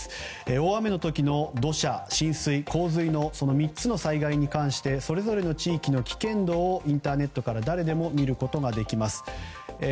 大雨の時の土砂・浸水・洪水の３つの災害に関してそれぞれの地域の危険度をインターネットから誰でも見ることができます。